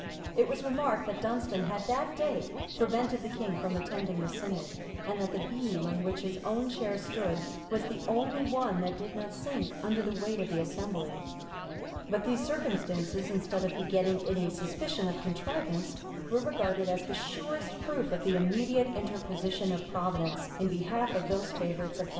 It was remarked, that Dunstan had that day prevented the king from attending the synod, and that the beam on which his own chair stood was the only one that did not sink under the weight of the assembly;[] but these circumstances, instead of begetting any suspicion of contrivance, were regarded as the surest proof of the immediate interposition of Providence in behalf of those favorites of Heaven.